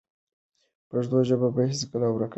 پښتو ژبه به هیڅکله ورکه نه شي.